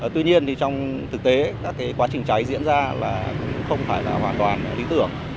tuy nhiên trong thực tế quá trình cháy diễn ra không phải hoàn toàn lý tưởng